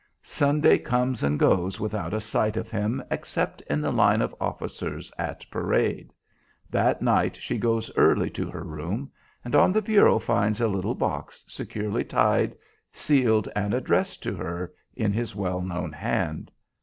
Sunday comes and goes without a sight of him except in the line of officers at parade. That night she goes early to her room, and on the bureau finds a little box securely tied, sealed, and addressed to her in his well known hand.